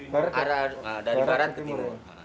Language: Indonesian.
dari barat ke timur